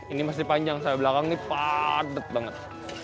ini masih panjang sampai belakang ini padet banget